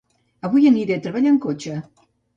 Avui aniré a treballar en cotxe